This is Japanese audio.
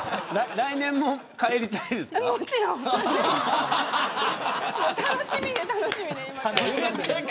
来年も帰りたいですか。